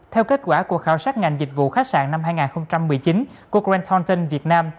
theo kết quả của khảo sát ngành dịch vụ khách sạn năm hai nghìn một mươi chín của grand contin việt nam